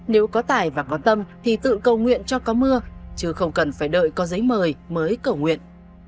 nếu có tài và có tâm thì tự cầu nguyện cho có mưa chứ không cần phải đợi có giấy mời mới cầu nguyện